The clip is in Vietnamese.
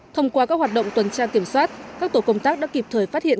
thông qua các hoạt động tuần tra kiểm soát các tổ công tác đã kịp thời phát hiện